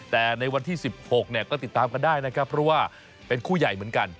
แต่ในวันที่๑๖เนี่ยก็ติดตามกันได้นะครับเพราะว่าเป็นคู่ใหญ่เหมือนกัน